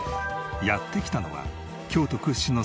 やって来たのは京都屈指の桜の名所